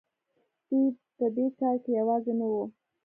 دوی په دې کار کې یوازې نه وو.